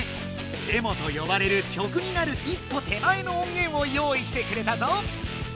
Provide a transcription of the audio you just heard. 「デモ」とよばれる曲になる一歩手前の音源をよういしてくれたぞ！